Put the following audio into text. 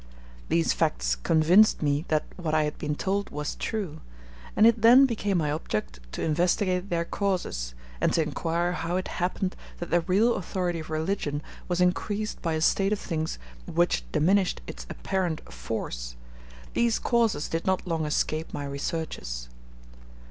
These facts convinced me that what I had been told was true; and it then became my object to investigate their causes, and to inquire how it happened that the real authority of religion was increased by a state of things which diminished its apparent force: these causes did not long escape my researches.